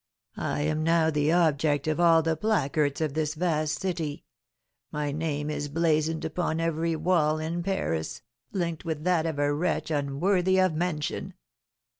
I am now the object of all the placards of this vast city; my name is blazoned upon every wall in Paris, linked with that of a wretch unworthy of mention.